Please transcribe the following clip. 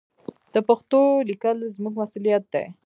د پښتو لیکل زموږ مسوولیت دی.